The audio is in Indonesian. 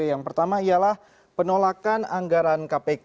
yang pertama ialah penolakan anggaran kpk